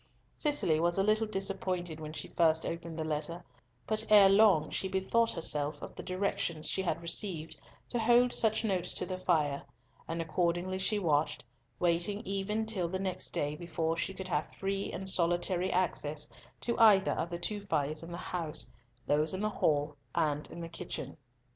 Cicely was a little disappointed when she first opened the letter, but ere long she bethought herself of the directions she had received to hold such notes to the fire, and accordingly she watched, waiting even till the next day before she could have free and solitary access to either of the two fires in the house, those in the hall and in the kitchen.